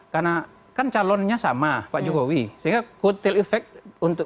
karena kan calonnya sama pak jokowi sehingga kotel efek untuk